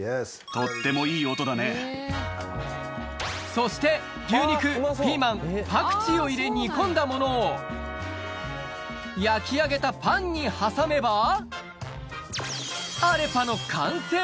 そして牛肉ピーマンパクチーを入れ煮込んだものを焼き上げたパンに挟めばアレパの完成